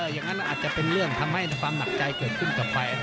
อย่างนั้นอาจจะเป็นเรื่องทำให้ความหนักใจเกิดขึ้นต่อไป